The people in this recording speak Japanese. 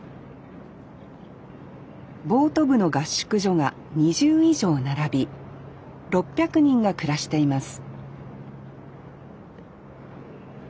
ボート部の合宿所が２０以上並び６００人が暮らしています